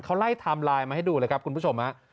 เขาไล่ไทม์ไลน์มาให้ดูเลยครับคุณผู้ชมฮะ